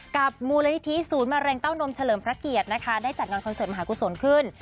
กับมูลนิธิศูนย์มะเร็งเต้านมเฉลิมพระเกียรตินะคะได้จัดงานคอนเสิร์มหากุศลขึ้น